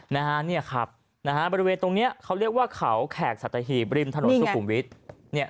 ในบริเวณตรงนี้เขาเรียกว่าเขาแขกสัตวิทย์ริมถนนสุขุมวิทย์